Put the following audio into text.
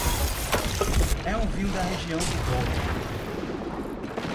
É um vinho da região do Douro.